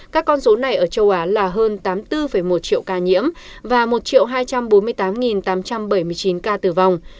các con số này ở châu á là hơn tám mươi bốn một triệu ca nhiễm và một hai trăm bốn mươi tám tám trăm bảy mươi chín ca tử vong